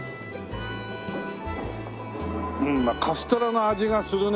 うんカステラの味がするね